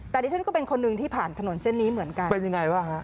แต่ดิฉันก็เป็นคนหนึ่งที่ผ่านถนนเส้นนี้เหมือนกันเป็นยังไงบ้างฮะ